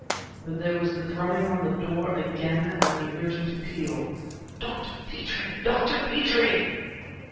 But there was the drumming on the door again, and the urgent appeal: "Dr. Petrie! Dr. Petrie!"